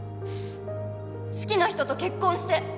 好きな人と結婚して！